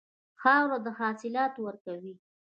خاوره حاصلات ورکوي.